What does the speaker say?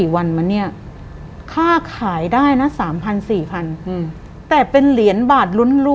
วันมาเนี่ยค่าขายได้นะ๓๐๐๔๐๐แต่เป็นเหรียญบาทล้วน